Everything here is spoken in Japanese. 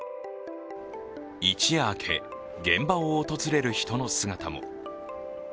一夜明け、現場を訪れる人の姿も。